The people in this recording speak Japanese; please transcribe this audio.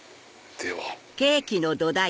では。